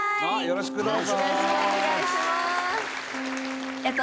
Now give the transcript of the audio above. よろしくお願いします！